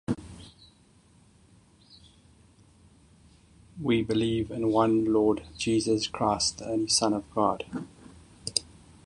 We believe in one Lord, Jesus Christ, the only Son of God